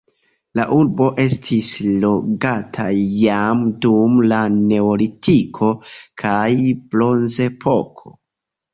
La urbo estis loĝata jam dum la neolitiko kaj bronzepoko.